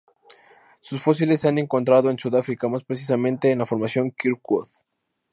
Sus fósiles se han encontrado en Sudáfrica, más precisamente en la Formación Kirkwood.